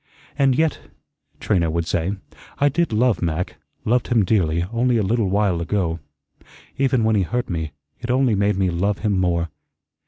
"And yet," Trina would say, "I did love Mac, loved him dearly, only a little while ago. Even when he hurt me, it only made me love him more.